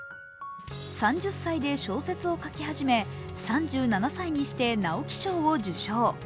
３０歳で小説を書き始め、３７歳にして直木賞を受賞。